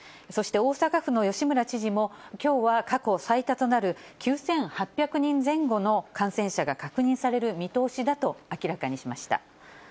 そして、大阪府の吉村知事も、きょうは過去最多となる９８００人前後の感染者が確認される見通しだと明らかにしました。